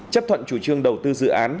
chấp thuận chủ trương đầu tư dự án